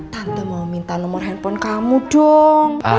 tante mau minta nomor handphone kamu dong